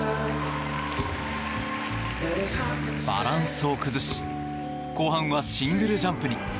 バランスを崩し後半はシングルジャンプに。